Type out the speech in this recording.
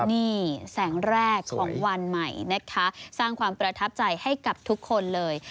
นี่แสงแรกของวันใหม่นะคะสร้างความประทับใจให้กับทุกคนเลย